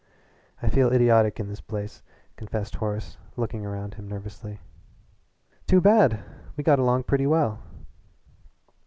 "I feel idiotic in this place," confessed Horace, looking round him nervously. "Too bad! We got along pretty well."